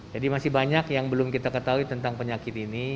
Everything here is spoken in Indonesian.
jadi masih banyak yang belum kita ketahui tentang penyakit ini